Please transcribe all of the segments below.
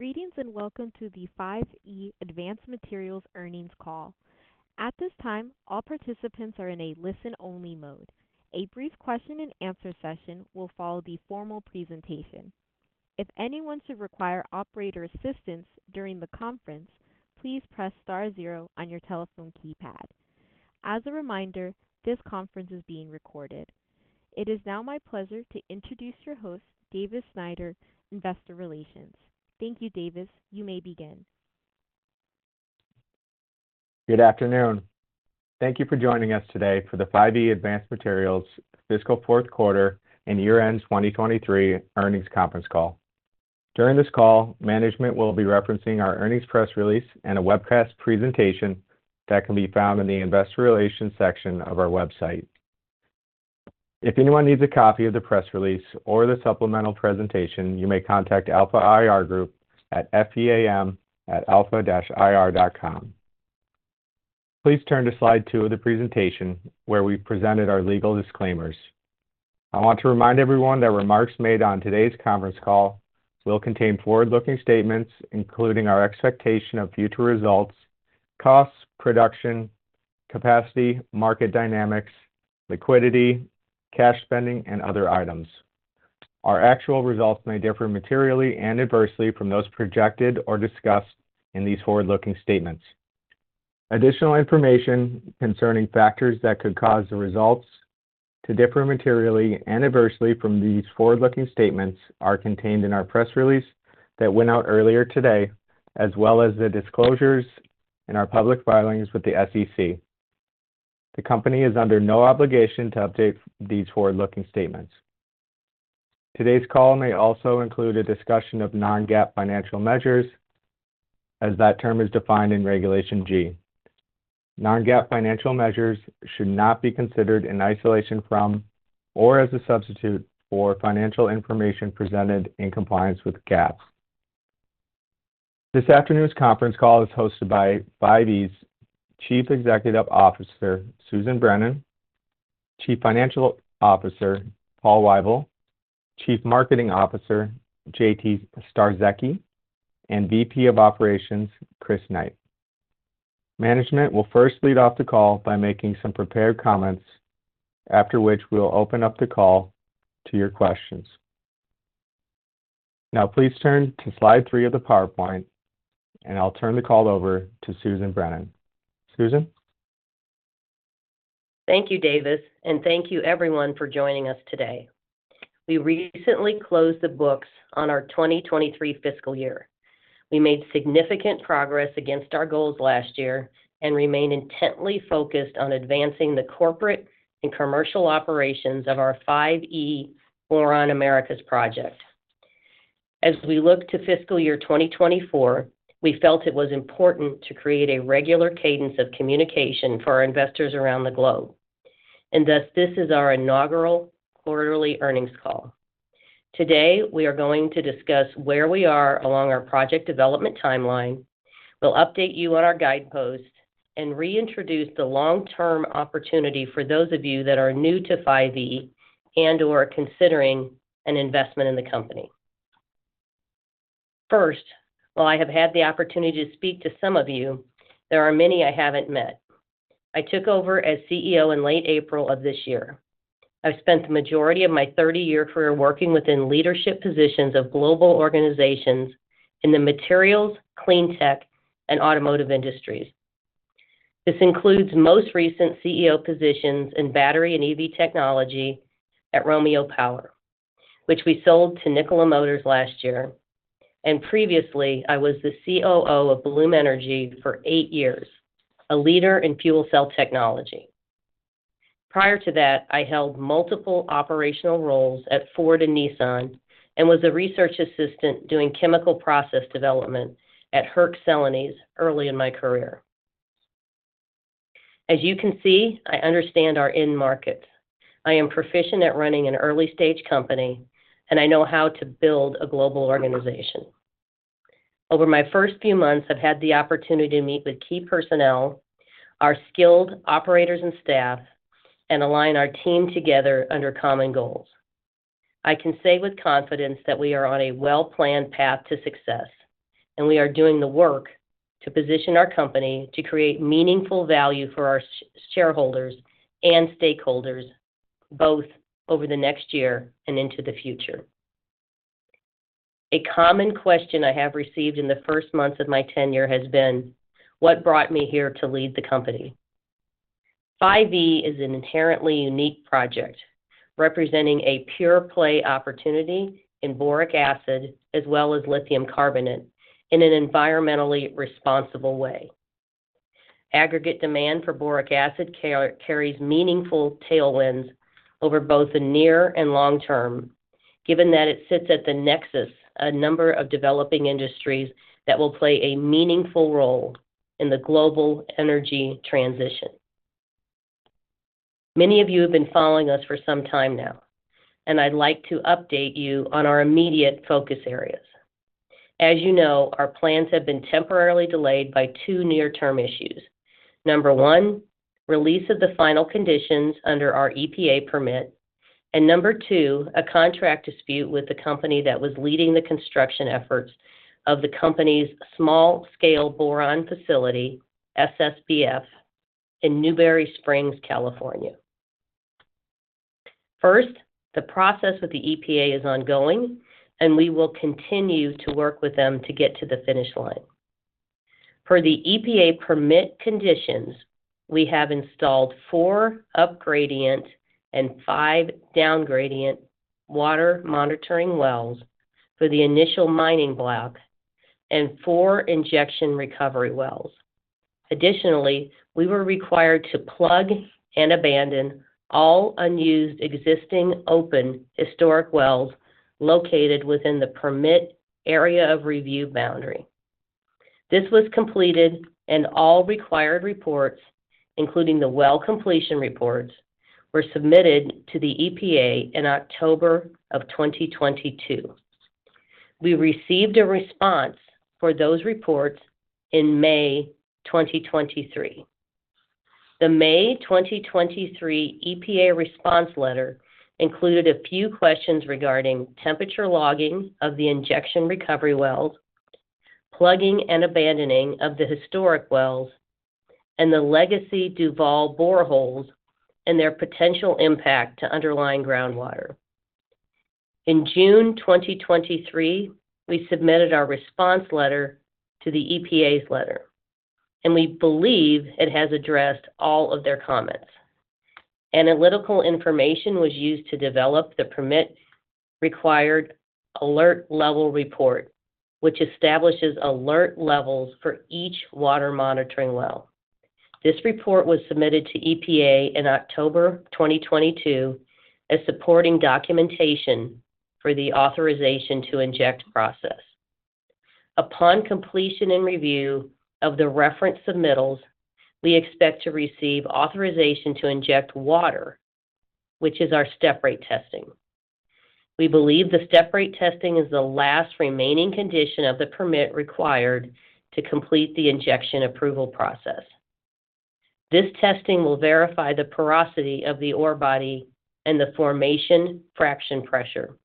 Greetings, and welcome to the 5E Advanced Materials earnings call. At this time, all participants are in a listen-only mode. A brief question and answer session will follow the formal presentation. If anyone should require operator assistance during the conference, please press star zero on your telephone keypad. As a reminder, this conference is being recorded. It is now my pleasure to introduce your host, Davis Snyder, Investor Relations. Thank you, Davis. You may begin. Good afternoon. Thank you for joining us today for the 5E Advanced Materials fiscal fourth quarter and year-end 2023 earnings conference call. During this call, management will be referencing our earnings press release and a webcast presentation that can be found in the investor relations section of our website. If anyone needs a copy of the press release or the supplemental presentation, you may contact Alpha IR Group at feam@alpha-ir.com. Please turn to slide two of the presentation, where we presented our legal disclaimers. I want to remind everyone that remarks made on today's conference call will contain forward-looking statements, including our expectation of future results, costs, production, capacity, market dynamics, liquidity, cash spending, and other items. Our actual results may differ materially and adversely from those projected or discussed in these forward-looking statements. Additional information concerning factors that could cause the results to differ materially and adversely from these forward-looking statements are contained in our press release that went out earlier today, as well as the disclosures in our public filings with the SEC. The company is under no obligation to update these forward-looking statements. Today's call may also include a discussion of non-GAAP financial measures as that term is defined in Regulation G. Non-GAAP financial measures should not be considered in isolation from or as a substitute for financial information presented in compliance with GAAP. This afternoon's conference call is hosted by 5E's Chief Executive Officer, Susan Brennan, Chief Financial Officer, Paul Weibel, Chief Marketing Officer, J.T. Starzecki, and VP of Operations, Chris Knight. Management will first lead off the call by making some prepared comments, after which we'll open up the call to your questions. Now, please turn to slide three of the PowerPoint, and I'll turn the call over to Susan Brennan. Susan? Thank you, Davis, and thank you everyone for joining us today. We recently closed the books on our 2023 fiscal year. We made significant progress against our goals last year and remain intently focused on advancing the corporate and commercial operations of our 5E Boron Americas project. As we look to fiscal year 2024, we felt it was important to create a regular cadence of communication for our investors around the globe, and thus, this is our inaugural quarterly earnings call. Today, we are going to discuss where we are along our project development timeline. We'll update you on our guideposts and reintroduce the long-term opportunity for those of you that are new to 5E and/or considering an investment in the company. First, while I have had the opportunity to speak to some of you, there are many I haven't met. I took over as CEO in late April of this year. I've spent the majority of my thirty-year career working within leadership positions of global organizations in the materials, clean tech, and automotive industries. This includes most recent CEO positions in battery and EV technology at Romeo Power, which we sold to Nikola Motors last year, and previously, I was the COO of Bloom Energy for eight years, a leader in fuel cell technology. Prior to that, I held multiple operational roles at Ford and Nissan and was a research assistant doing chemical process development at Hercules early in my career. As you can see, I understand our end market. I am proficient at running an early-stage company, and I know how to build a global organization. Over my first few months, I've had the opportunity to meet with key personnel, our skilled operators and staff, and align our team together under common goals. I can say with confidence that we are on a well-planned path to success, and we are doing the work to position our company to create meaningful value for our shareholders and stakeholders, both over the next year and into the future. A common question I have received in the first months of my tenure has been, what brought me here to lead the company? 5E is an inherently unique project, representing a pure-play opportunity in boric acid as well as lithium carbonate in an environmentally responsible way. Aggregate demand for boric acid carries meaningful tailwinds over both the near and long term, given that it sits at the nexus a number of developing industries that will play a meaningful role in the global energy transition. Many of you have been following us for some time now, and I'd like to update you on our immediate focus areas. As you know, our plans have been temporarily delayed by two near-term issues: number one, release of the final conditions under our EPA permit, and number two, a contract dispute with the company that was leading the construction efforts of the company's small scale boron facility, SSBF, in Newberry Springs, California. First, the process with the EPA is ongoing, and we will continue to work with them to get to the finish line. Per the EPA permit conditions, we have installed four up-gradient and five down-gradient water monitoring wells for the initial mining block and four injection recovery wells. Additionally, we were required to plug and abandon all unused, existing, open historic wells located within the permit area of review boundary. This was completed, and all required reports, including the well completion reports, were submitted to the EPA in October 2022. We received a response for those reports in May 2023. The May 2023 EPA response letter included a few questions regarding temperature logging of the injection recovery wells, plugging and abandoning of the historic wells, and the legacy Duval boreholes and their potential impact to underlying groundwater. In June 2023, we submitted our response letter to the EPA's letter, and we believe it has addressed all of their comments. Analytical information was used to develop the permit-required alert level report, which establishes alert levels for each water monitoring well. This report was submitted to EPA in October 2022 as supporting documentation for the authorization to inject process. Upon completion and review of the reference submittals, we expect to receive authorization to inject water, which is our step-rate testing. We believe the step-rate testing is the last remaining condition of the permit required to complete the injection approval process. This testing will verify the porosity of the ore body and the formation fracture pressure.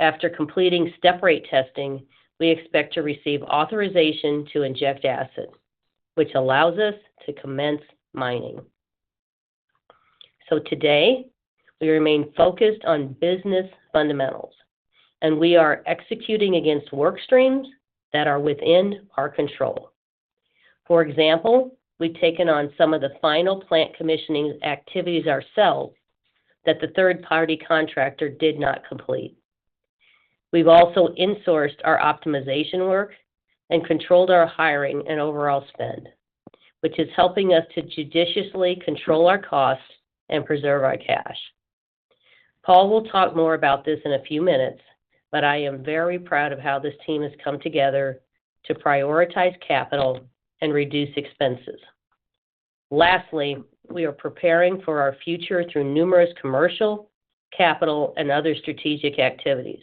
After completing step-rate testing, we expect to receive authorization to inject acid, which allows us to commence mining. Today, we remain focused on business fundamentals, and we are executing against work streams that are within our control. For example, we've taken on some of the final plant commissioning activities ourselves that the third-party contractor did not complete. We've also insourced our optimization work and controlled our hiring and overall spend, which is helping us to judiciously control our costs and preserve our cash. Paul will talk more about this in a few minutes, but I am very proud of how this team has come together to prioritize capital and reduce expenses. Lastly, we are preparing for our future through numerous commercial, capital, and other strategic activities.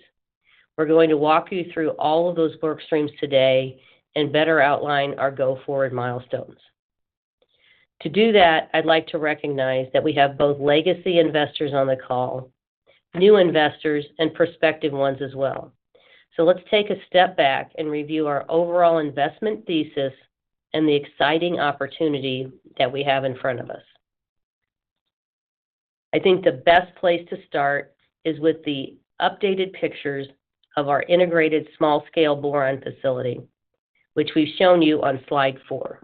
We're going to walk you through all of those work streams today and better outline our go-forward milestones. To do that, I'd like to recognize that we have both legacy investors on the call, new investors, and prospective ones as well. So let's take a step back and review our overall investment thesis and the exciting opportunity that we have in front of us. I think the best place to start is with the updated pictures of our integrated small-scale boron facility, which we've shown you on slide 4.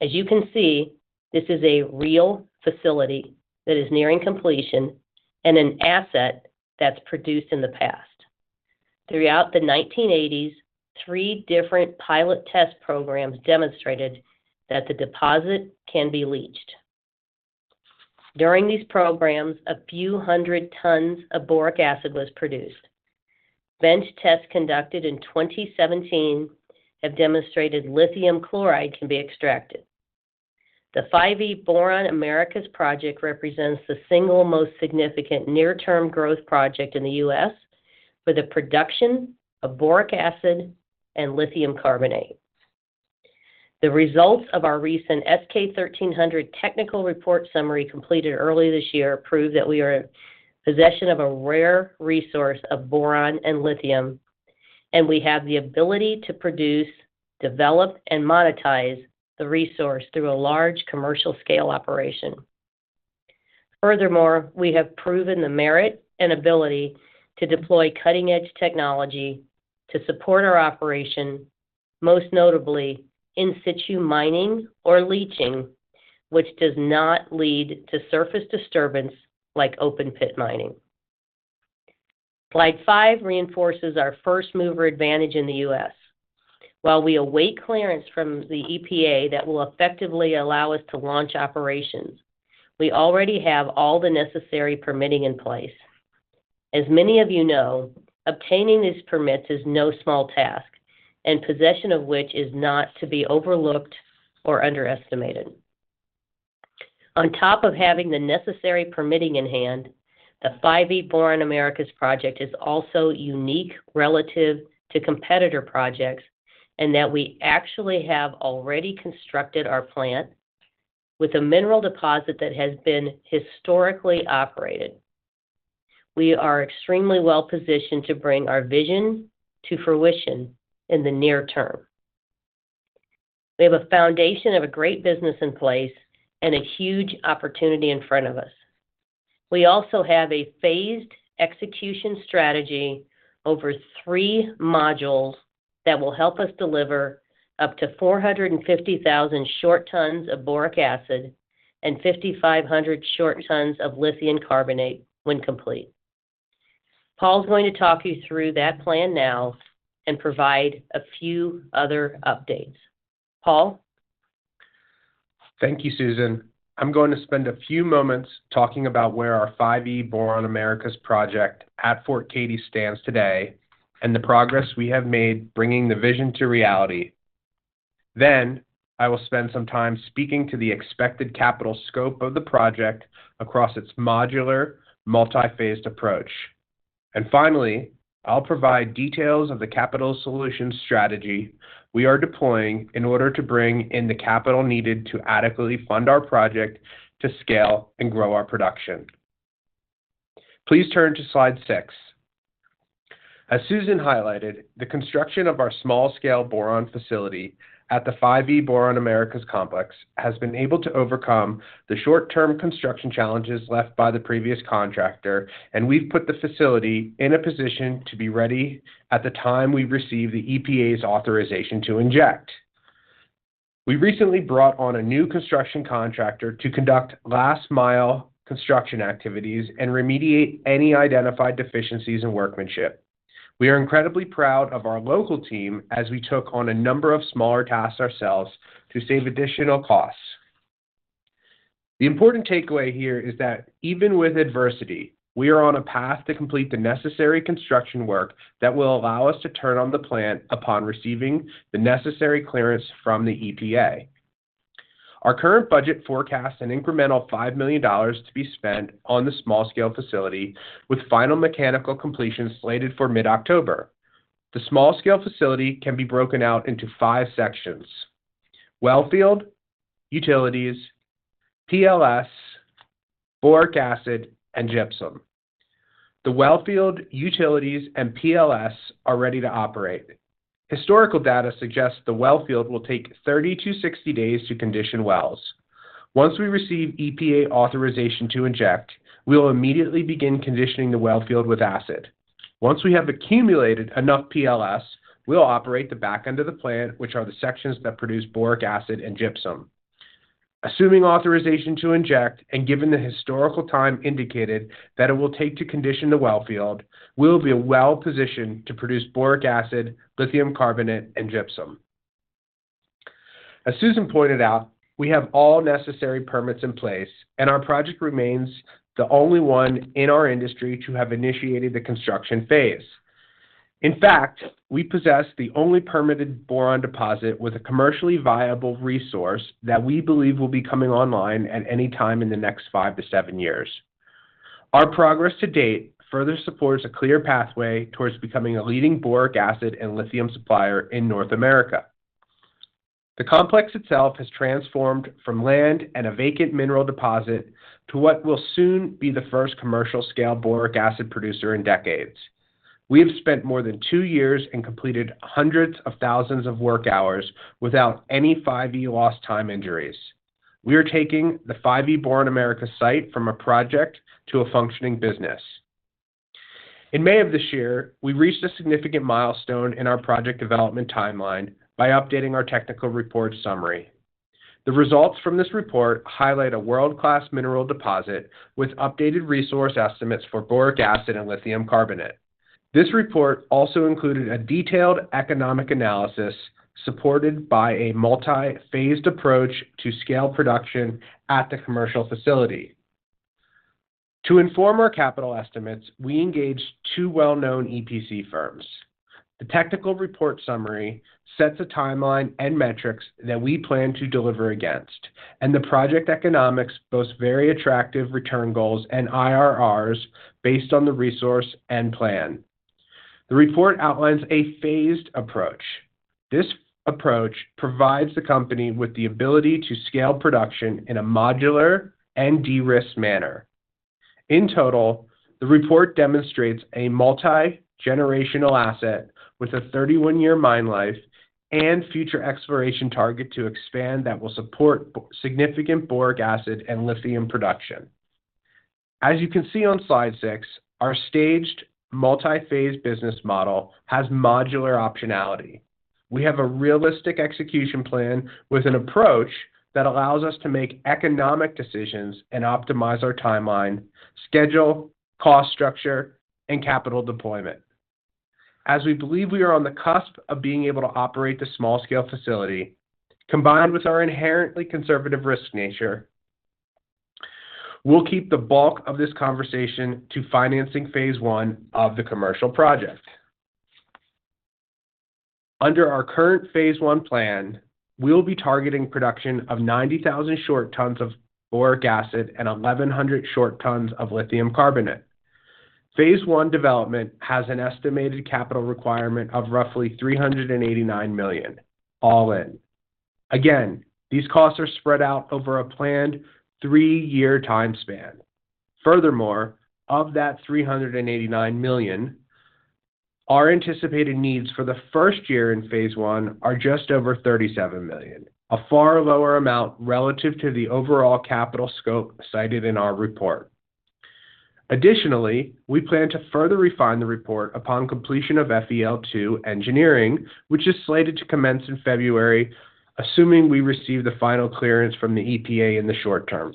As you can see, this is a real facility that is nearing completion and an asset that's produced in the past. Throughout the 1980s, three different pilot test programs demonstrated that the deposit can be leached. During these programs, a few hundred tons of boric acid was produced. Bench tests conducted in 2017 have demonstrated lithium chloride can be extracted. The 5E Boron Americas project represents the single most significant near-term growth project in the U.S. for the production of boric acid and lithium carbonate. The results of our recent S-K 1300 Technical Report Summary, completed early this year, prove that we are in possession of a rare resource of boron and lithium, and we have the ability to produce, develop, and monetize the resource through a large commercial scale operation. Furthermore, we have proven the merit and ability to deploy cutting-edge technology to support our operation, most notably In Situ Mining/Leaching, which does not lead to surface disturbance like open-pit mining. Slide five reinforces our first-mover advantage in the U.S. While we await clearance from the EPA that will effectively allow us to launch operations, we already have all the necessary permitting in place. As many of you know, obtaining these permits is no small task, and possession of which is not to be overlooked or underestimated. On top of having the necessary permitting in hand, the 5E Boron Americas project is also unique relative to competitor projects, in that we actually have already constructed our plant with a mineral deposit that has been historically operated. We are extremely well-positioned to bring our vision to fruition in the near term. We have a foundation of a great business in place and a huge opportunity in front of us. We also have a phased execution strategy over three modules that will help us deliver up to 450,000 short tons of boric acid and 5,500 short tons of lithium carbonate when complete. Paul is going to talk you through that plan now and provide a few other updates. Paul? Thank you, Susan. I'm going to spend a few moments talking about where our 5E Boron Americas project at Fort Cady stands today and the progress we have made bringing the vision to reality. Then, I will spend some time speaking to the expected capital scope of the project across its modular, multi-phased approach. And finally, I'll provide details of the capital solution strategy we are deploying in order to bring in the capital needed to adequately fund our project to scale and grow our production. Please turn to slide 6. As Susan highlighted, the construction of our Small Scale Boron Facility at the 5E Boron Americas complex has been able to overcome the short-term construction challenges left by the previous contractor, and we've put the facility in a position to be ready at the time we receive the EPA's authorization to inject. We recently brought on a new construction contractor to conduct last-mile construction activities and remediate any identified deficiencies in workmanship. We are incredibly proud of our local team as we took on a number of smaller tasks ourselves to save additional costs. The important takeaway here is that even with adversity, we are on a path to complete the necessary construction work that will allow us to turn on the plant upon receiving the necessary clearance from the EPA. Our current budget forecasts an incremental $5 million to be spent on the small-scale facility, with final mechanical completion slated for mid-October. The small-scale facility can be broken out into five sections: wellfield, utilities, PLS, boric acid, and gypsum. The wellfield, utilities, and PLS are ready to operate. Historical data suggests the wellfield will take 30-60 days to condition wells. Once we receive EPA authorization to inject, we will immediately begin conditioning the wellfield with acid. Once we have accumulated enough PLS, we'll operate the back end of the plant, which are the sections that produce boric acid and gypsum. Assuming authorization to inject, and given the historical time indicated that it will take to condition the wellfield, we will be well-positioned to produce boric acid, lithium carbonate, and gypsum. As Susan pointed out, we have all necessary permits in place, and our project remains the only one in our industry to have initiated the construction phase. In fact, we possess the only permitted boron deposit with a commercially viable resource that we believe will be coming online at any time in the next five-sevenyears. Our progress to date further supports a clear pathway towards becoming a leading boric acid and lithium supplier in North America. The complex itself has transformed from land and a vacant mineral deposit to what will soon be the first commercial-scale boric acid producer in decades. We have spent more than two years and completed hundreds of thousands of work hours without any 5E lost time injuries. We are taking the 5E Boron Americas site from a project to a functioning business. In May of this year, we reached a significant milestone in our project development timeline by updating our Technical Report Summary. The results from this report highlight a world-class mineral deposit with updated resource estimates for boric acid and lithium carbonate. This report also included a detailed economic analysis supported by a multi-phased approach to scale production at the commercial facility. To inform our capital estimates, we engaged two well-known EPC firms. The technical report summary sets a timeline and metrics that we plan to deliver against, and the project economics boast very attractive return goals and IRRs based on the resource and plan. The report outlines a phased approach. This approach provides the company with the ability to scale production in a modular and de-risked manner. In total, the report demonstrates a multi-generational asset with a 31-year mine life and future exploration target to expand that will support significant boric acid and lithium production. As you can see on slide 6, our staged, multi-phase business model has modular optionality. We have a realistic execution plan with an approach that allows us to make economic decisions and optimize our timeline, schedule, cost structure, and capital deployment. As we believe we are on the cusp of being able to operate the small-scale facility, combined with our inherently conservative risk nature, we'll keep the bulk of this conversation to financing phase one of the commercial project. Under our current phase one plan, we'll be targeting production of 90,000 short tons of Boric Acid and 1,100 short tons of Lithium Carbonate. Phase one development has an estimated capital requirement of roughly $389 million, all in. Again, these costs are spread out over a planned three-year time span. Furthermore, of that $389 million, our anticipated needs for the first year in phase one are just over $37 million, a far lower amount relative to the overall capital scope cited in our report. Additionally, we plan to further refine the report upon completion of FEL 2 engineering, which is slated to commence in February, assuming we receive the final clearance from the EPA in the short term.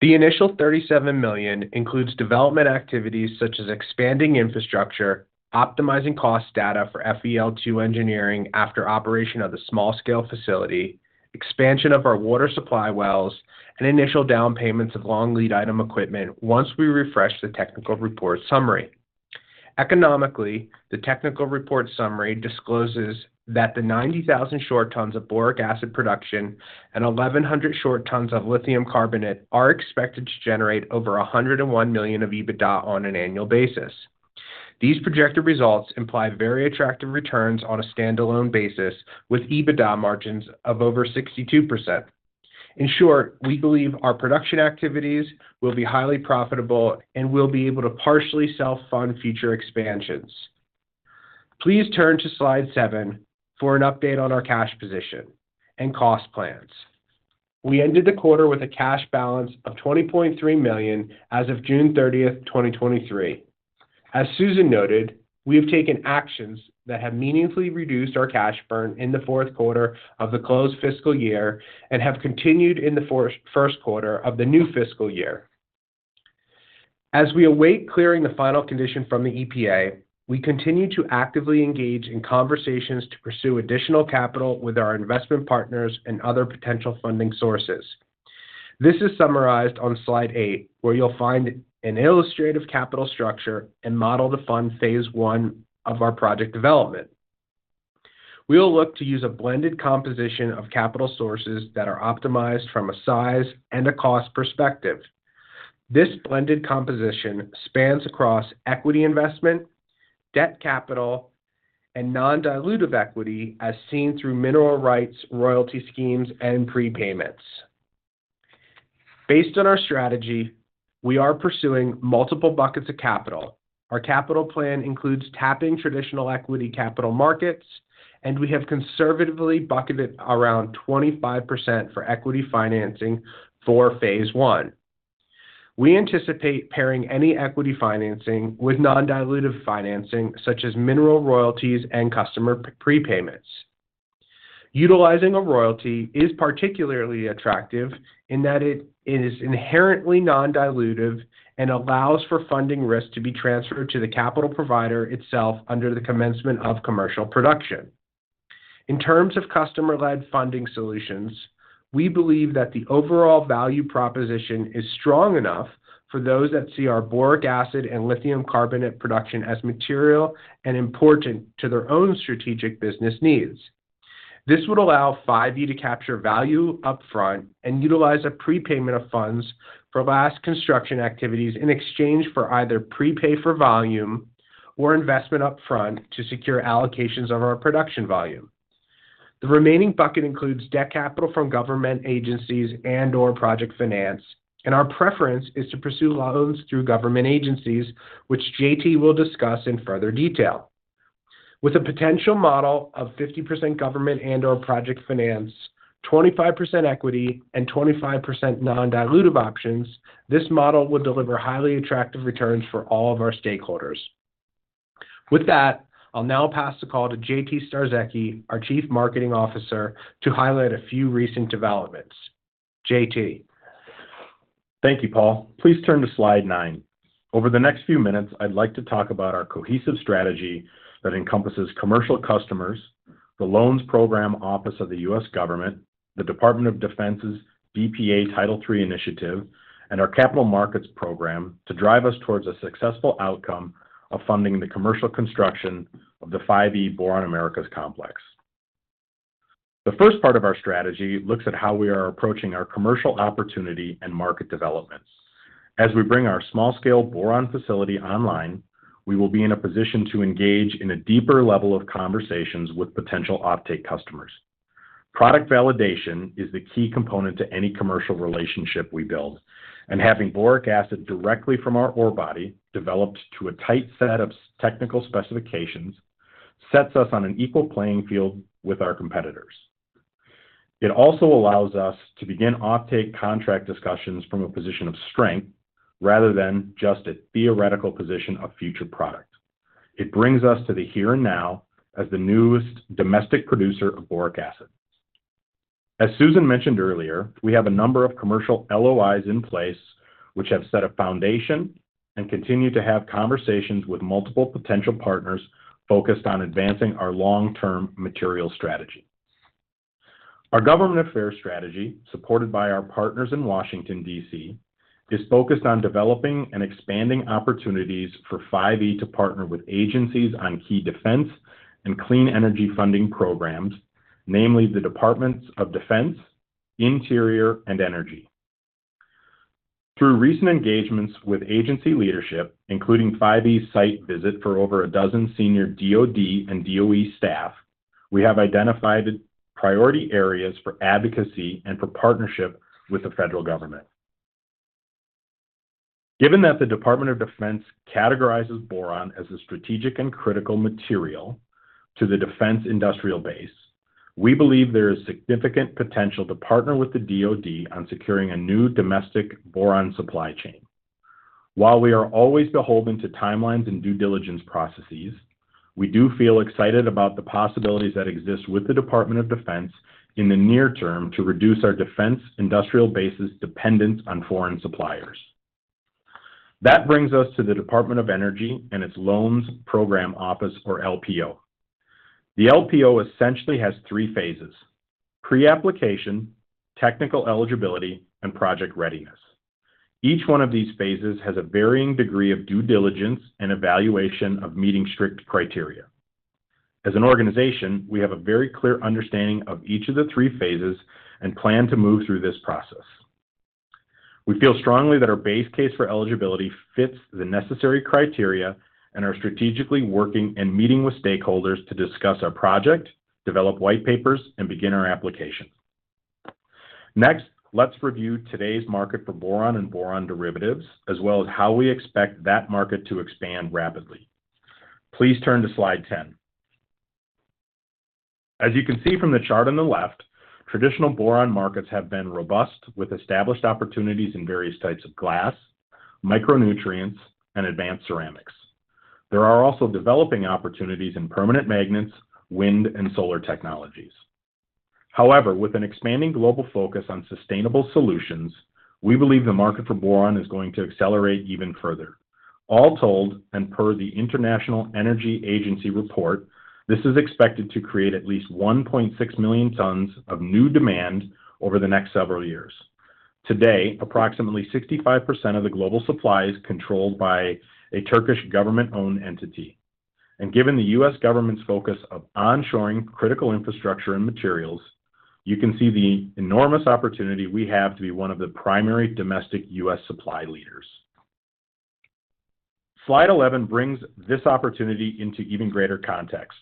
The initial $37 million includes development activities such as expanding infrastructure, optimizing cost data for FEL 2 engineering after operation of the small scale facility, expansion of our water supply wells, and initial down payments of long lead item equipment once we refresh the technical report summary. Economically, the technical report summary discloses that the 90,000 short tons of boric acid production and 1,100 short tons of lithium carbonate are expected to generate over $101 million of EBITDA on an annual basis. These projected results imply very attractive returns on a standalone basis, with EBITDA margins of over 62%. In short, we believe our production activities will be highly profitable and we'll be able to partially self-fund future expansions. Please turn to slide 7 for an update on our cash position and cost plans. We ended the quarter with a cash balance of $20.3 million as of June 30, 2023. As Susan noted, we have taken actions that have meaningfully reduced our cash burn in the fourth quarter of the close of the fiscal year and have continued in the first quarter of the new fiscal year. As we await clearing the final condition from the EPA, we continue to actively engage in conversations to pursue additional capital with our investment partners and other potential funding sources. This is summarized on slide 8, where you'll find an illustrative capital structure and model to fund phase one of our project development. We will look to use a blended composition of capital sources that are optimized from a size and a cost perspective. This blended composition spans across equity investment, debt capital, and non-dilutive equity, as seen through mineral rights, royalty schemes, and prepayments. Based on our strategy, we are pursuing multiple buckets of capital. Our capital plan includes tapping traditional equity capital markets, and we have conservatively bucketed around 25% for equity financing for phase one. We anticipate pairing any equity financing with non-dilutive financing, such as mineral royalties and customer prepayments. Utilizing a royalty is particularly attractive in that it is inherently non-dilutive and allows for funding risk to be transferred to the capital provider itself under the commencement of commercial production. In terms of customer-led funding solutions, we believe that the overall value proposition is strong enough for those that see our boric acid and lithium carbonate production as material and important to their own strategic business needs. This would allow 5E to capture value upfront and utilize a prepayment of funds for last construction activities, in exchange for either prepay for volume or investment upfront to secure allocations of our production volume. The remaining bucket includes debt capital from government agencies and/or project finance, and our preference is to pursue loans through government agencies, which J.T. will discuss in further detail. With a potential model of 50% government and/or project finance, 25% equity, and 25% non-dilutive options, this model would deliver highly attractive returns for all of our stakeholders. With that, I'll now pass the call to J.T. Starzecki, our Chief Marketing Officer, to highlight a few recent developments. J.T.? Thank you, Paul. Please turn to slide 9. Over the next few minutes, I'd like to talk about our cohesive strategy that encompasses commercial customers, the Loan Programs Office of the U.S. Government, the Department of Defense's DPA Title III initiative, and our capital markets program to drive us towards a successful outcome of funding the commercial construction of the 5E Boron Americas Complex. The first part of our strategy looks at how we are approaching our commercial opportunity and market developments. As we bring our small-scale boron facility online, we will be in a position to engage in a deeper level of conversations with potential offtake customers. Product validation is the key component to any commercial relationship we build, and having boric acid directly from our ore body, developed to a tight set of technical specifications, sets us on an equal playing field with our competitors. It also allows us to begin offtake contract discussions from a position of strength, rather than just a theoretical position of future product. It brings us to the here and now as the newest domestic producer of boric acid. As Susan mentioned earlier, we have a number of commercial LOIs in place, which have set a foundation and continue to have conversations with multiple potential partners focused on advancing our long-term material strategy. Our government affairs strategy, supported by our partners in Washington, D.C., is focused on developing and expanding opportunities for 5E to partner with agencies on key defense and clean energy funding programs, namely the Departments of Defense, Interior, and Energy. Through recent engagements with agency leadership, including 5E's site visit for over a dozen senior DoD and DOE staff, we have identified priority areas for advocacy and for partnership with the federal government. Given that the Department of Defense categorizes boron as a strategic and critical material to the defense industrial base, we believe there is significant potential to partner with the DoD on securing a new domestic boron supply chain. While we are always beholden to timelines and due diligence processes, we do feel excited about the possibilities that exist with the Department of Defense in the near term to reduce our defense industrial base's dependence on foreign suppliers. That brings us to the Department of Energy and its Loans Program Office or LPO. The LPO essentially has three phases: pre-application, technical eligibility, and project readiness. Each one of these phases has a varying degree of due diligence and evaluation of meeting strict criteria. As an organization, we have a very clear understanding of each of the three phases and plan to move through this process. We feel strongly that our base case for eligibility fits the necessary criteria and are strategically working and meeting with stakeholders to discuss our project, develop white papers, and begin our application. Next, let's review today's market for boron and boron derivatives, as well as how we expect that market to expand rapidly. Please turn to slide 10. As you can see from the chart on the left, traditional boron markets have been robust, with established opportunities in various types of glass, micronutrients, and advanced ceramics. There are also developing opportunities in permanent magnets, wind, and solar technologies. However, with an expanding global focus on sustainable solutions, we believe the market for boron is going to accelerate even further. All told, and per the International Energy Agency report, this is expected to create at least 1.6 million tons of new demand over the next several years. Today, approximately 65% of the global supply is controlled by a Turkish government-owned entity. Given the U.S. government's focus on onshoring critical infrastructure and materials, you can see the enormous opportunity we have to be one of the primary domestic U.S. supply leaders. Slide 11 brings this opportunity into even greater context.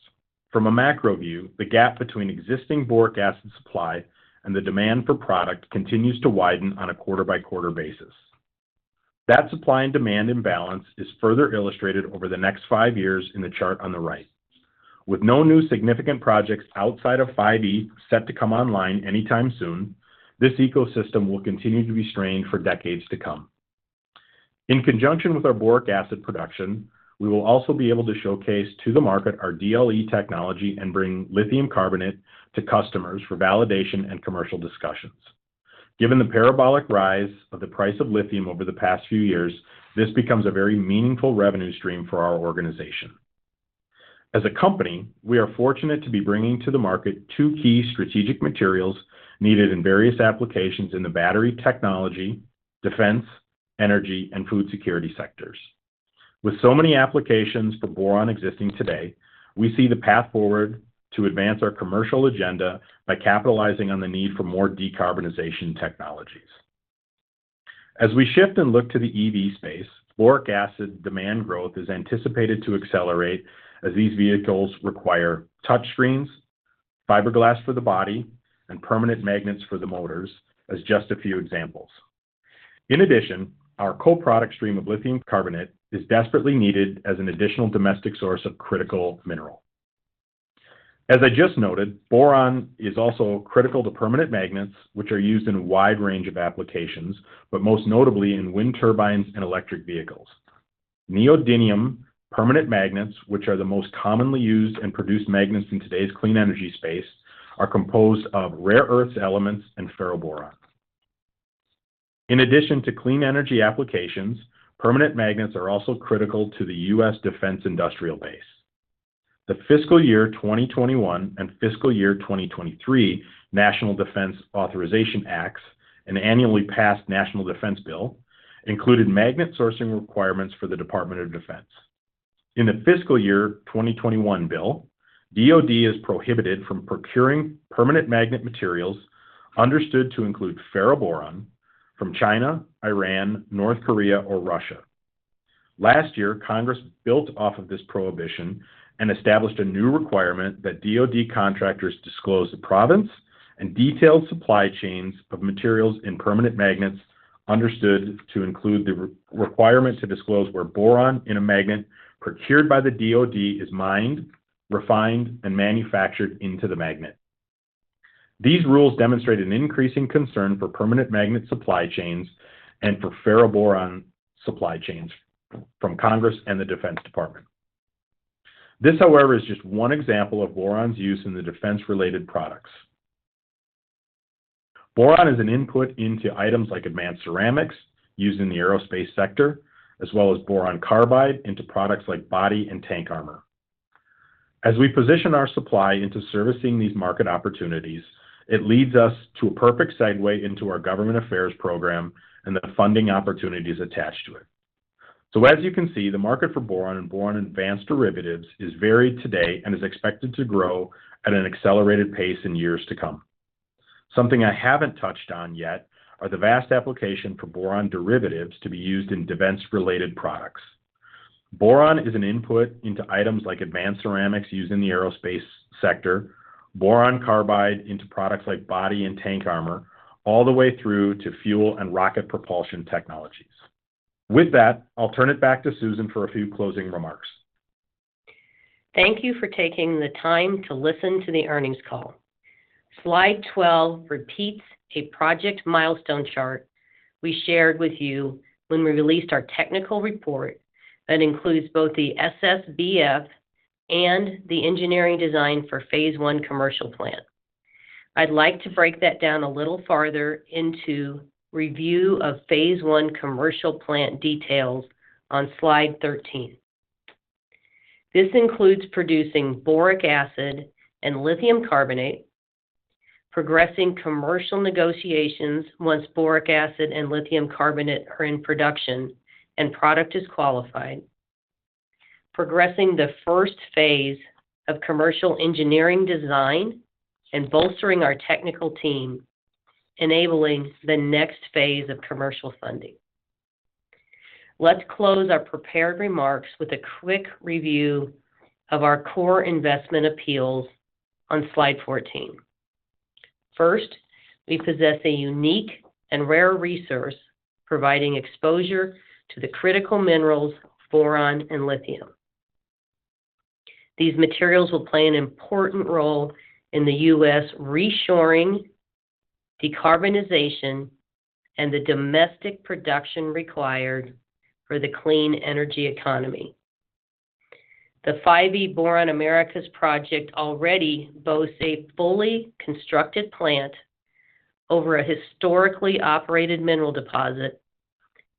From a macro view, the gap between existing boric acid supply and the demand for product continues to widen on a quarter-by-quarter basis. That supply and demand imbalance is further illustrated over the next five years in the chart on the right. With no new significant projects outside of 5E set to come online anytime soon, this ecosystem will continue to be strained for decades to come. In conjunction with our boric acid production, we will also be able to showcase to the market our DLE technology and bring lithium carbonate to customers for validation and commercial discussions. Given the parabolic rise of the price of lithium over the past few years, this becomes a very meaningful revenue stream for our organization. As a company, we are fortunate to be bringing to the market two key strategic materials needed in various applications in the battery technology, defense, energy, and food security sectors. With so many applications for boron existing today, we see the path forward to advance our commercial agenda by capitalizing on the need for more decarbonization technologies. As we shift and look to the EV space, boric acid demand growth is anticipated to accelerate as these vehicles require touchscreens, fiberglass for the body, and permanent magnets for the motors, as just a few examples. In addition, our co-product stream of lithium carbonate is desperately needed as an additional domestic source of critical mineral. As I just noted, boron is also critical to permanent magnets, which are used in a wide range of applications, but most notably in wind turbines and electric vehicles. Neodymium permanent magnets, which are the most commonly used and produced magnets in today's clean energy space, are composed of rare earth elements and ferroboron. In addition to clean energy applications, permanent magnets are also critical to the U.S. defense industrial base. The fiscal year 2021 and fiscal year 2023 National Defense Authorization Acts, an annually passed national defense bill, included magnet sourcing requirements for the Department of Defense. In the fiscal year 2021 bill, DoD is prohibited from procuring permanent magnet materials, understood to include ferroboron, from China, Iran, North Korea, or Russia. Last year, Congress built off of this prohibition and established a new requirement that DoD contractors disclose the province and detailed supply chains of materials in permanent magnets, understood to include the requirement to disclose where boron in a magnet procured by the DoD is mined, refined, and manufactured into the magnet. These rules demonstrate an increasing concern for permanent magnet supply chains and for Ferroboron supply chains from Congress and the Defense Department. This, however, is just one example of boron's use in the defense-related products.... Boron is an input into items like advanced ceramics used in the aerospace sector, as well as Boron Carbide into products like body and tank armor. As we position our supply into servicing these market opportunities, it leads us to a perfect segue into our government affairs program and the funding opportunities attached to it. So as you can see, the market for boron and boron advanced derivatives is varied today and is expected to grow at an accelerated pace in years to come. Something I haven't touched on yet are the vast application for boron derivatives to be used in defense-related products. Boron is an input into items like advanced ceramics used in the aerospace sector, boron carbide into products like body and tank armor, all the way through to fuel and rocket propulsion technologies. With that, I'll turn it back to Susan for a few closing remarks. Thank you for taking the time to listen to the earnings call. Slide 12 repeats a project milestone chart we shared with you when we released our technical report that includes both the SSBF and the engineering design for phase I commercial plant. I'd like to break that down a little farther into review of phase I commercial plant details on slide 13. This includes producing boric acid and lithium carbonate, progressing commercial negotiations once boric acid and lithium carbonate are in production and product is qualified, progressing the first phase of commercial engineering design, and bolstering our technical team, enabling the next phase of commercial funding. Let's close our prepared remarks with a quick review of our core investment appeals on slide 14. First, we possess a unique and rare resource, providing exposure to the critical minerals, boron and lithium. These materials will play an important role in the U.S. reshoring, decarbonization, and the domestic production required for the clean energy economy. The 5E Boron Americas project already boasts a fully constructed plant over a historically operated mineral deposit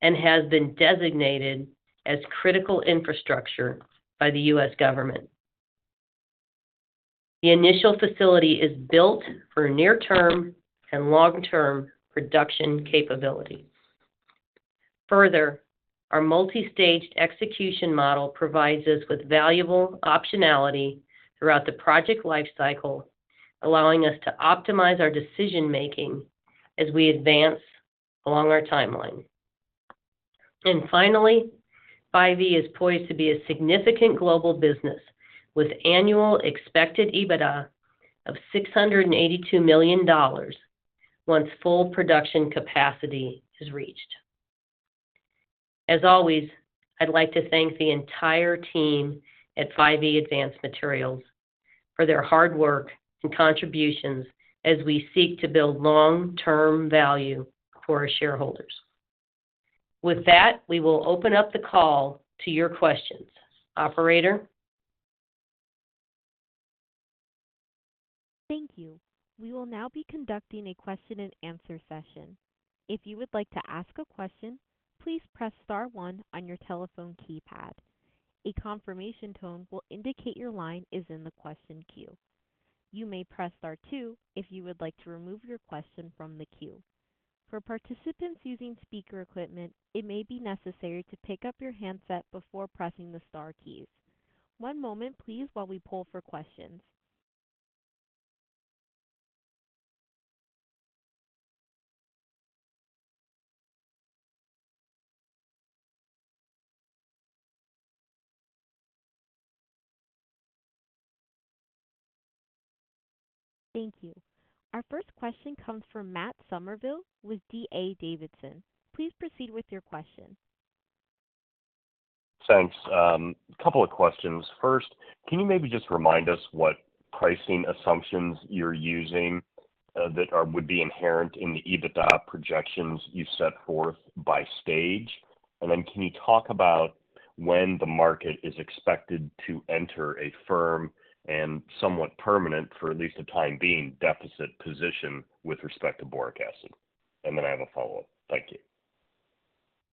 and has been designated as critical infrastructure by the U.S. government. The initial facility is built for near-term and long-term production capability. Further, our multi-staged execution model provides us with valuable optionality throughout the project life cycle, allowing us to optimize our decision-making as we advance along our timeline. And finally, 5E is poised to be a significant global business with annual expected EBITDA of $682 million once full production capacity is reached. As always, I'd like to thank the entire team at 5E Advanced Materials for their hard work and contributions as we seek to build long-term value for our shareholders. With that, we will open up the call to your questions. Operator? Thank you. We will now be conducting a question and answer session. If you would like to ask a question, please press star one on your telephone keypad. A confirmation tone will indicate your line is in the question queue. You may press star two if you would like to remove your question from the queue. For participants using speaker equipment, it may be necessary to pick up your handset before pressing the star keys. One moment, please, while we pull for questions. Thank you. Our first question comes from Matt Summerville with D.A. Davidson. Please proceed with your question. Thanks. A couple of questions. First, can you maybe just remind us what pricing assumptions you're using that would be inherent in the EBITDA projections you set forth by stage? And then can you talk about when the market is expected to enter a firm and somewhat permanent, for at least the time being, deficit position with respect to boric acid? And then I have a follow-up. Thank you.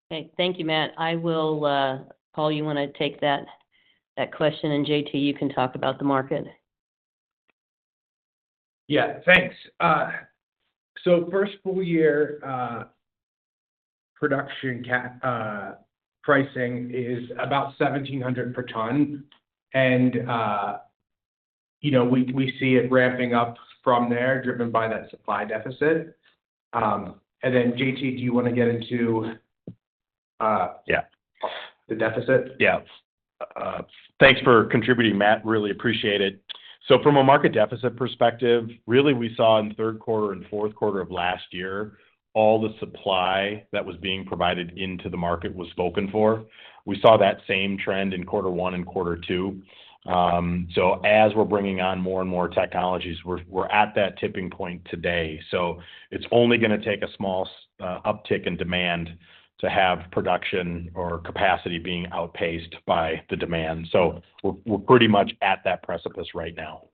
Okay. Thank you, Matt. I will, Paul, you want to take that question, and J.T., you can talk about the market. Yeah, thanks. So first full year, pricing is about $1,700 per ton, and, you know, we, we see it ramping up from there, driven by that supply deficit. And then J.T., do you want to get into- Yeah... the deficit? Yeah. Thanks for contributing, Matt. Really appreciate it. So from a market deficit perspective, really, we saw in third quarter and fourth quarter of last year, all the supply that was being provided into the market was spoken for. We saw that same trend in quarter one and quarter two. So as we're bringing on more and more technologies, we're, we're at that tipping point today. So it's only gonna take a small uptick in demand to have production or capacity being outpaced by the demand. So we're, we're pretty much at that precipice right now....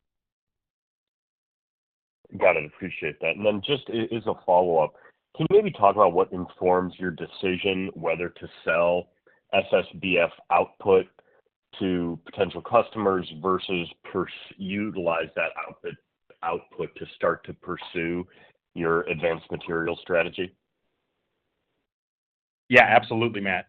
Got it. Appreciate that. And then just as a follow-up, can you maybe talk about what informs your decision whether to sell SSBF output to potential customers versus utilize that output to start to pursue your advanced material strategy? Yeah, absolutely, Matt.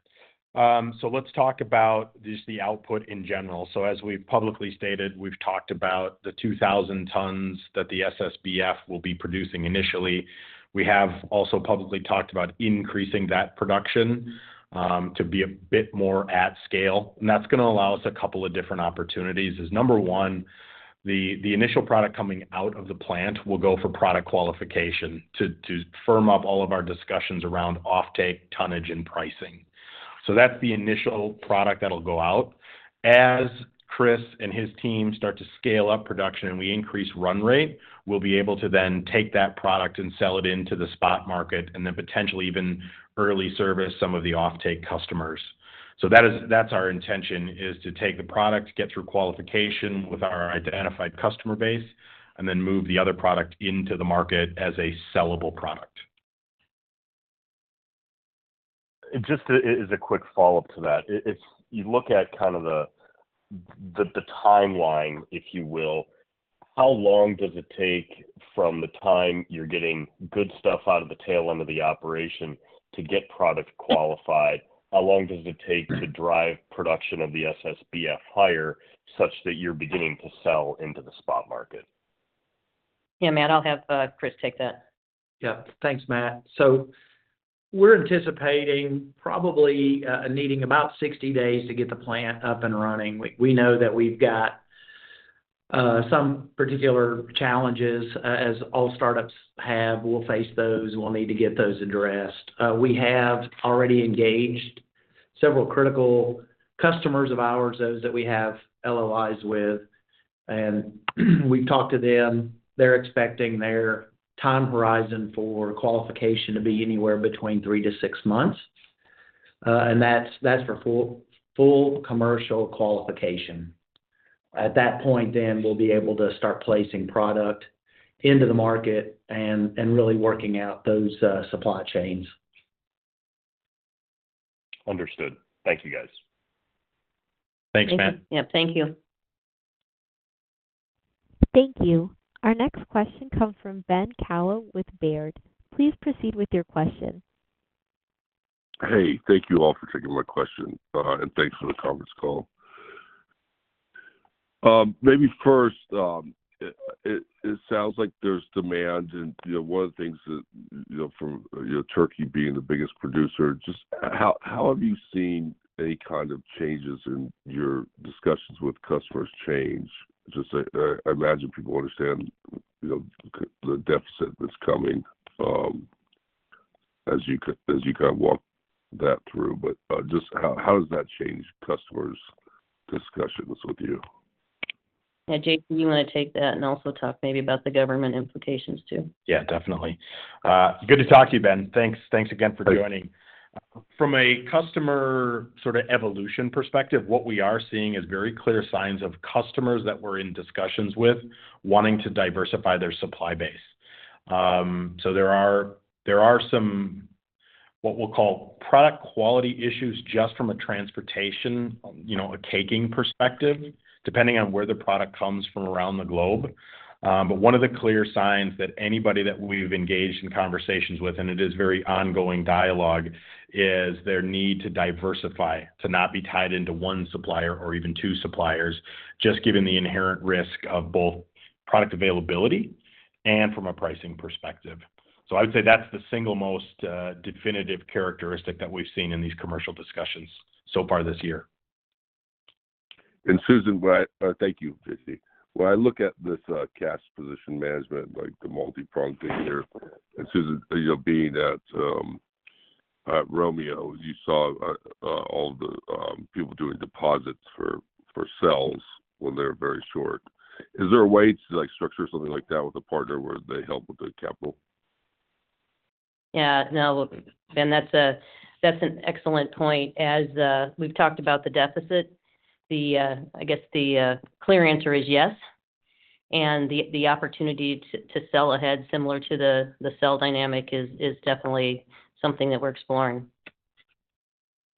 So let's talk about just the output in general. So as we've publicly stated, we've talked about the 2,000 tons that the SSBF will be producing initially. We have also publicly talked about increasing that production to be a bit more at scale, and that's gonna allow us a couple of different opportunities. It's number one, the initial product coming out of the plant will go for product qualification to firm up all of our discussions around offtake, tonnage, and pricing. So that's the initial product that'll go out. As Chris and his team start to scale up production and we increase run rate, we'll be able to then take that product and sell it into the spot market and then potentially even early service some of the offtake customers. That's our intention is to take the product, get through qualification with our identified customer base, and then move the other product into the market as a sellable product. Just, as a quick follow-up to that, if you look at kind of the timeline, if you will, how long does it take from the time you're getting good stuff out of the tail end of the operation to get product qualified? How long does it take to drive production of the SSBF higher, such that you're beginning to sell into the spot market? Yeah, Matt, I'll have Chris take that. Yeah. Thanks, Matt. So we're anticipating probably needing about 60 days to get the plant up and running. We know that we've got some particular challenges, as all startups have. We'll face those, and we'll need to get those addressed. We have already engaged several critical customers of ours, those that we have LOIs with, and we've talked to them. They're expecting their time horizon for qualification to be anywhere between three-six months, and that's for full commercial qualification. At that point, then we'll be able to start placing product into the market and really working out those supply chains. Understood. Thank you, guys. Thanks, Matt. Yep, thank you. Thank you. Our next question comes from Ben Kallo with Baird. Please proceed with your question. Hey, thank you all for taking my question, and thanks for the conference call. Maybe first, it sounds like there's demand, and, you know, one of the things that, you know, from, you know, Turkey being the biggest producer, just how, how have you seen any kind of changes in your discussions with customers change? Just, I imagine people understand, you know, the deficit that's coming, as you kind of walk that through. But, just how, how does that change customers' discussions with you? Yeah, J.T., you want to take that and also talk maybe about the government implications, too? Yeah, definitely. Good to talk to you, Ben. Thanks, thanks again for joining. From a customer sort of evolution perspective, what we are seeing is very clear signs of customers that we're in discussions with wanting to diversify their supply base. So there are, there are some, what we'll call product quality issues, just from a transportation, you know, a taking perspective, depending on where the product comes from around the globe. But one of the clear signs that anybody that we've engaged in conversations with, and it is very ongoing dialogue, is their need to diversify, to not be tied into one supplier or even two suppliers, just given the inherent risk of both product availability and from a pricing perspective. So I would say that's the single most definitive characteristic that we've seen in these commercial discussions so far this year. Susan, thank you, Christie. When I look at this cash position management, like the multipronged thing here, and Susan, you know, being at Romeo, you saw all the people doing deposits for cells when they're very short. Is there a way to, like, structure something like that with a partner where they help with the capital? Yeah. No, Ben, that's an excellent point. As we've talked about the deficit, I guess the clear answer is yes, and the opportunity to sell ahead, similar to the sell dynamic, is definitely something that we're exploring.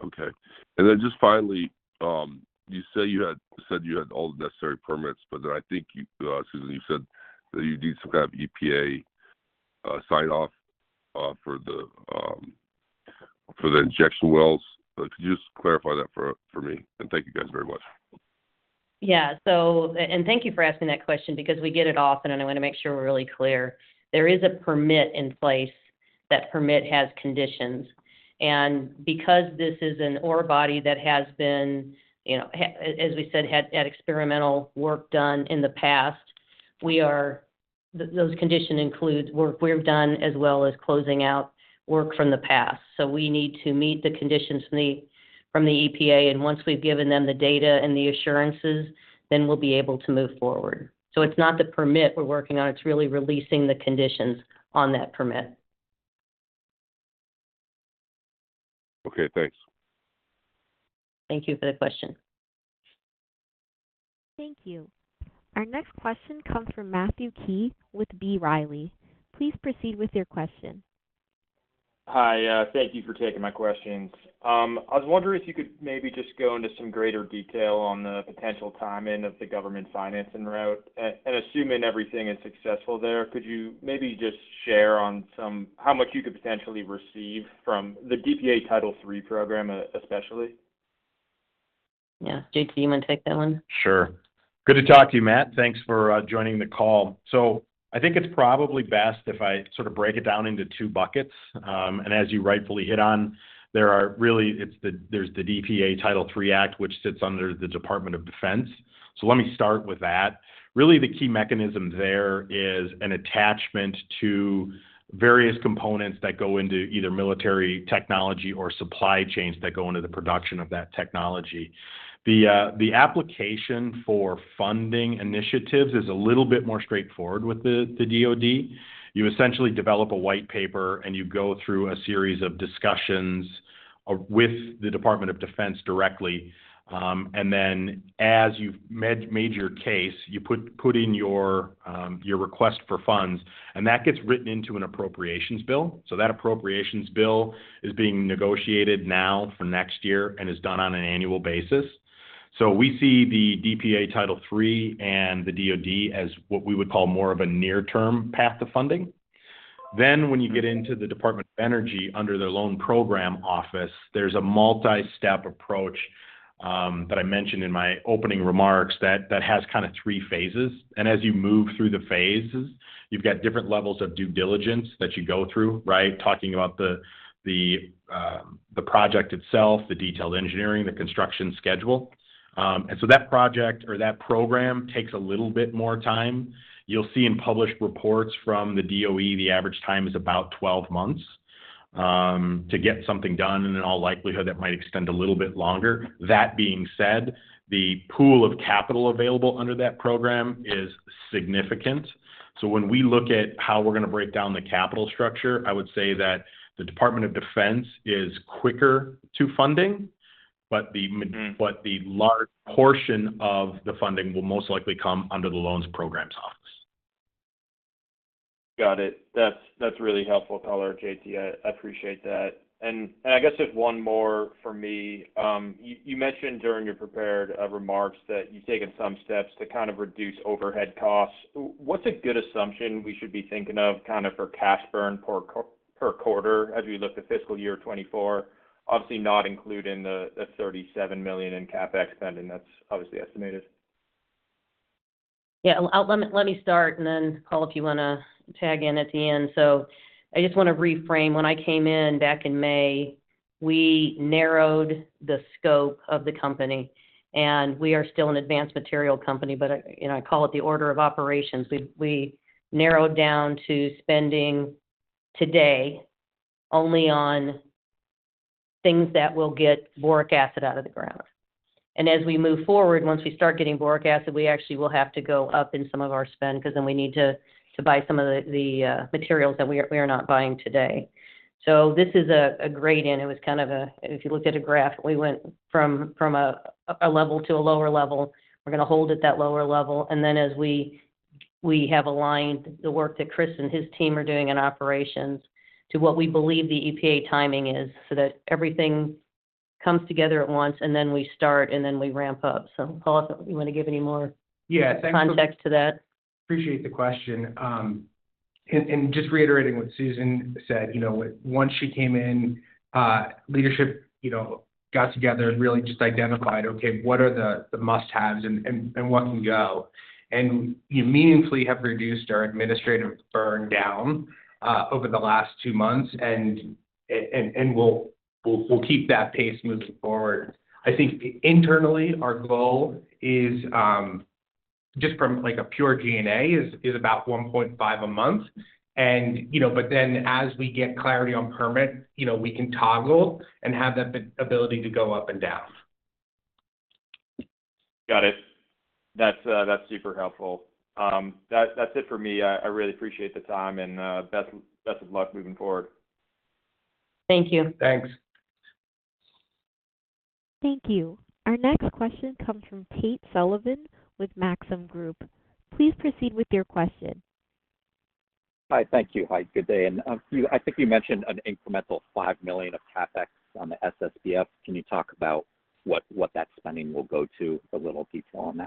Okay. And then just finally, you said you had all the necessary permits, but then I think you, Susan, you said that you need some kind of EPA sign-off for the injection wells. Could you just clarify that for me? And thank you guys very much. Yeah, so... and thank you for asking that question because we get it often, and I want to make sure we're really clear. There is a permit in place. That permit has conditions, and because this is an ore body that has been, you know, as we said, had experimental work done in the past, we are. Those conditions include work we've done, as well as closing out work from the past. So we need to meet the conditions from the EPA, and once we've given them the data and the assurances, then we'll be able to move forward. So it's not the permit we're working on, it's really releasing the conditions on that permit.... Okay, thanks. Thank you for the question. Thank you. Our next question comes from Matthew Key with B. Riley. Please proceed with your question. Hi, thank you for taking my questions. I was wondering if you could maybe just go into some greater detail on the potential timing of the government financing route. And assuming everything is successful there, could you maybe just share on some how much you could potentially receive from the DPA Title III program, especially? Yeah. J.T., you wanna take that one? Sure. Good to talk to you, Matt. Thanks for joining the call. So I think it's probably best if I sort of break it down into two buckets. And as you rightfully hit on, there are really it's the, there's the DPA Title III Act, which sits under the Department of Defense. So let me start with that. Really, the key mechanism there is an attachment to various components that go into either military technology or supply chains that go into the production of that technology. The, the application for funding initiatives is a little bit more straightforward with the, the DOD. You essentially develop a white paper, and you go through a series of discussions, with the Department of Defense directly. And then as you've made your case, you put in your request for funds, and that gets written into an appropriations bill. So that appropriations bill is being negotiated now for next year and is done on an annual basis. So we see the DPA Title III and the DoD as what we would call more of a near-term path to funding. Then, when you get into the Department of Energy, under their loan program office, there's a multi-step approach, that I mentioned in my opening remarks, that has kind of three phases. And as you move through the phases, you've got different levels of due diligence that you go through, right? Talking about the project itself, the detailed engineering, the construction schedule. And so that project or that program takes a little bit more time. You'll see in published reports from the DOE, the average time is about 12 months to get something done, and in all likelihood, that might extend a little bit longer. That being said, the pool of capital available under that program is significant. So when we look at how we're gonna break down the capital structure, I would say that the Department of Defense is quicker to funding, but the- The large portion of the funding will most likely come under the Loans Program Office. Got it. That's, that's really helpful, Paul or J.T. I, I appreciate that. And, and I guess just one more from me. You, you mentioned during your prepared remarks that you've taken some steps to kind of reduce overhead costs. What's a good assumption we should be thinking of kind of for cash burn per quarter as we look to fiscal year 2024? Obviously, not including the $37 million in CapEx spending. That's obviously estimated. Yeah. Let me, let me start, and then, Paul, if you wanna tag in at the end. So I just wanna reframe. When I came in back in May, we narrowed the scope of the company, and we are still an advanced material company, but, you know, I call it the order of operations. We narrowed down to spending today only on things that will get boric acid out of the ground. And as we move forward, once we start getting boric acid, we actually will have to go up in some of our spend because then we need to buy some of the materials that we are not buying today. So this is a grade, and it was kind of a... If you looked at a graph, we went from a level to a lower level. We're gonna hold at that lower level, and then as we have aligned the work that Chris and his team are doing in operations to what we believe the EPA timing is, so that everything comes together at once, and then we start, and then we ramp up. So, Paul, you wanna give any more- Yeah. Context to that? Appreciate the question. And just reiterating what Susan said, you know, once she came in, leadership, you know, got together and really just identified, "Okay, what are the must-haves and what can go?" And we meaningfully have reduced our administrative burn down over the last 2 months, and we'll keep that pace moving forward. I think internally, our goal is just from, like, a pure G&A, is about $1.5 a month. And, you know, but then, as we get clarity on permit, you know, we can toggle and have the ability to go up and down. Got it. That's super helpful. That's it for me. I really appreciate the time and best of luck moving forward. Thank you. Thanks. Thank you. Our next question comes from Tate Sullivan with Maxim Group. Please proceed with your question. Hi. Thank you. Hi, good day. And, you, I think you mentioned an incremental $5 million of CapEx on the SSBF. Can you talk about what that spending will go to? A little detail on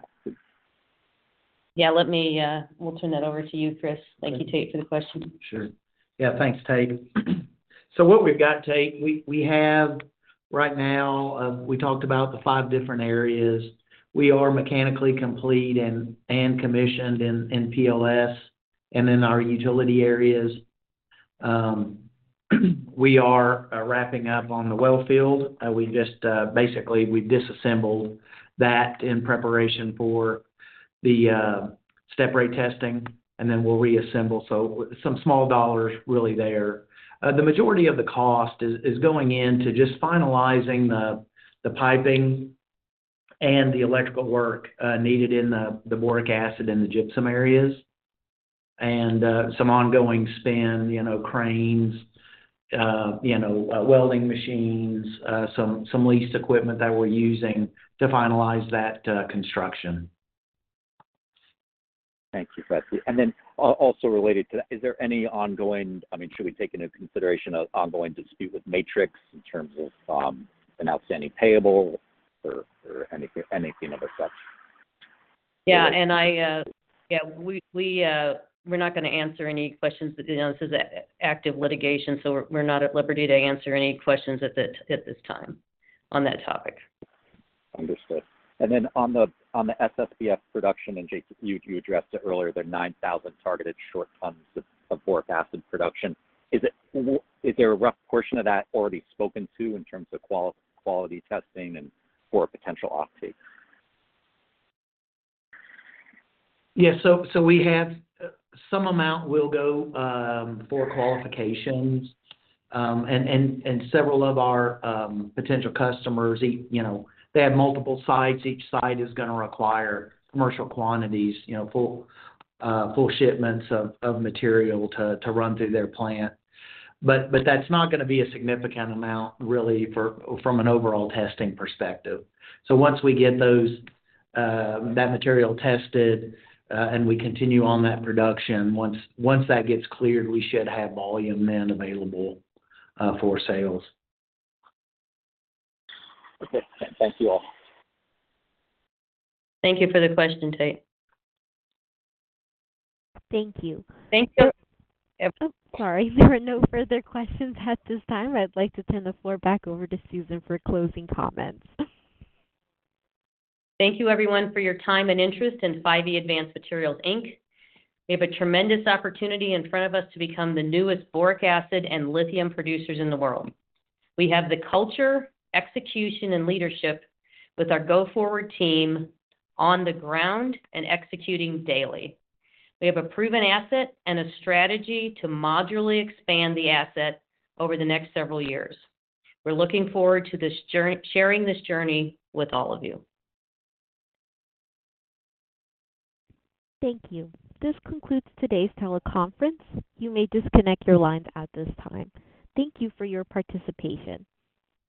that, please. Yeah, let me. We'll turn that over to you, Chris. Thank you, Tate, for the question. Sure. Yeah, thanks, Tate. So what we've got, Tate, we have right now. We talked about the five different areas. We are mechanically complete and commissioned in PLS and in our utility areas. We are wrapping up on the well field. We just basically disassembled that in preparation for the step-rate testing, and then we'll reassemble. So some small dollars really there. The majority of the cost is going into just finalizing the piping and the electrical work needed in the boric acid and the gypsum areas... and some ongoing spend, you know, cranes, you know, welding machines, some leased equipment that we're using to finalize that construction. Thank you, Betsy. And then also related to that, I mean, should we take into consideration an ongoing dispute with Matrix in terms of an outstanding payable or anything of the such? Yeah, and I... Yeah, we, we're not going to answer any questions, but, you know, this is an active litigation, so we're not at liberty to answer any questions at this time on that topic. Understood. And then on the SSBF production, and Jason, you addressed it earlier, the 9,000 targeted short tons of boric acid production. Is there a rough portion of that already spoken to in terms of quality testing and for potential off-take? Yeah. So we have some amount will go for qualifications. And several of our potential customers, you know, they have multiple sites. Each site is going to require commercial quantities, you know, full shipments of material to run through their plant. But that's not going to be a significant amount, really, from an overall testing perspective. So once we get those that material tested, and we continue on that production, once that gets cleared, we should have volume then available for sales. Okay. Thank you all. Thank you for the question, Tate. Thank you. Thank you, every- Oh, sorry. There are no further questions at this time. I'd like to turn the floor back over to Susan for closing comments. Thank you, everyone, for your time and interest in 5E Advanced Materials, Inc. We have a tremendous opportunity in front of us to become the newest boric acid and lithium producers in the world. We have the culture, execution, and leadership with our go-forward team on the ground and executing daily. We have a proven asset and a strategy to modularly expand the asset over the next several years. We're looking forward to sharing this journey with all of you. Thank you. This concludes today's teleconference. You may disconnect your lines at this time. Thank you for your participation.